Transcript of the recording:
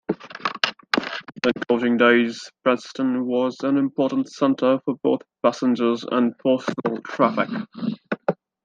In coaching days, Preston was an important centre for both passenger and postal traffic.